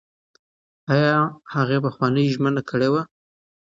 ایا هغې پخوانۍ ژمنه کړې وه؟